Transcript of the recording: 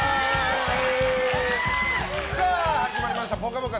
始まりました「ぽかぽか」